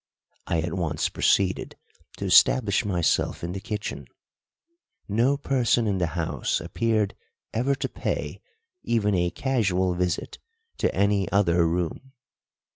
I at once proceeded to establish myself in the kitchen. No person inthe house appeared ever to pay even a casual visit to any other room.